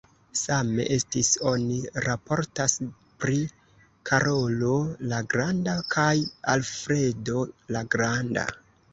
Same estis, oni raportas, pri Karolo la Granda kaj Alfredo la Granda.